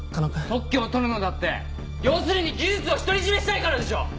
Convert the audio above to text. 特許を取るのだって要するに技術を独り占めしたいからでしょ！